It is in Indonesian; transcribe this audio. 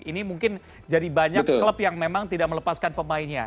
ini mungkin jadi banyak klub yang memang tidak melepaskan pemainnya